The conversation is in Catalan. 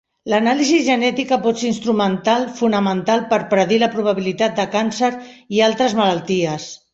L'anàlisi genètica pot ser instrumental fonamental per predir la probabilitat de càncer i altres malalties.